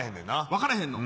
分からへんの？